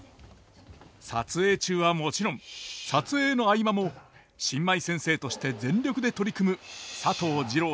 撮影中はもちろん撮影の合間も新米先生として全力で取り組む佐藤二朗さんでした。